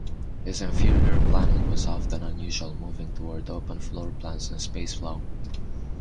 His interior planning was often unusual, moving toward open floor plans and space flow.